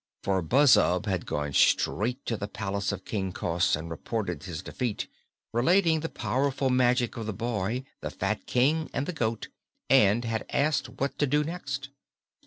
For Buzzub had gone straight to the palace of King Cos and reported his defeat, relating the powerful magic of the boy, the fat King and the goat, and had asked what to do next.